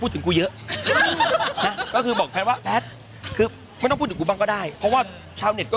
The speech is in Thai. ท่านต้องคราวไกลขึ้นไหม